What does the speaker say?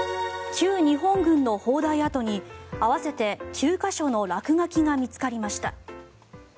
旧日本軍の砲台跡に合わせて９か所の落書きが見つかりました。